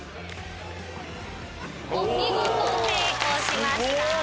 見事成功しました。